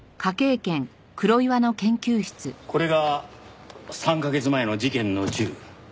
これが３カ月前の事件の銃。